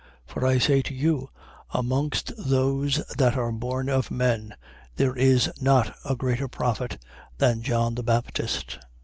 7:28. For I say to you: Amongst those that are born of men, there is not a greater prophet than John the Baptist.